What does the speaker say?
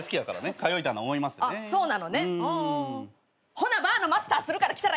ほなバーのマスターするから来たらええがな。